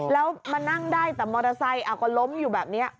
แล้วมานั่งได้แต่มอเตอร์ไซค์ก็ล้มอยู่แบบนี้